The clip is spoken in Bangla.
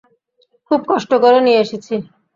খুব কষ্ট করে নিয়ে এসেছি।